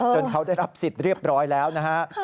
เขาได้รับสิทธิ์เรียบร้อยแล้วนะฮะ